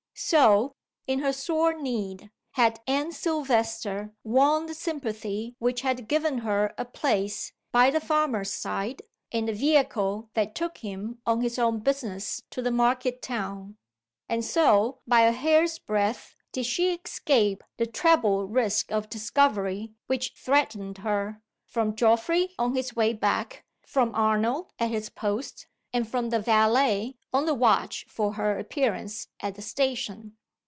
So, in her sore need, had Anne Silvester won the sympathy which had given her a place, by the farmer's side, in the vehicle that took him on his own business to the market town. And so, by a hair's breadth, did she escape the treble risk of discovery which threatened her from Geoffrey, on his way back; from Arnold, at his post; and from the valet, on the watch for her appearance at the station.